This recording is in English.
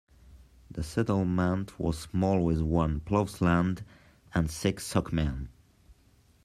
The settlement was small with one ploughland and six sokemen.